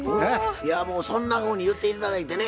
もうそんなふうに言って頂いてね